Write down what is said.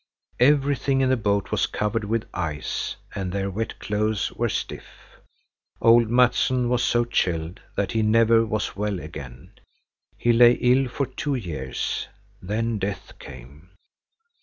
Everything in the boat was covered with ice, and their wet clothes were stiff. Old Mattsson was so chilled that he never was well again. He lay ill for two years; then death came.